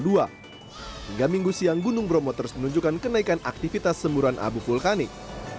hingga minggu siang gunung bromo terus menunjukkan kenaikan aktivitas semburan abu vulkanik